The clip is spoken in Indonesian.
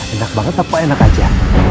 enak banget apa enak aja